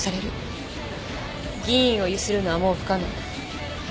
議員をゆするのはもう不可能。